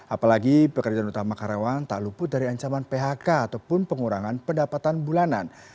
apalagi pekerjaan utama karyawan tak luput dari ancaman phk ataupun pengurangan pendapatan bulanan